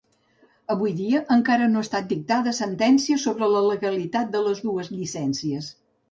Avui dia, encara no ha estat dictada sentència sobre la legalitat de les dues llicències.